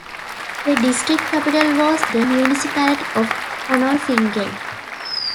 The district capital was the municipality of Konolfingen.